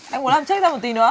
anh muốn làm chết ra một tí nữa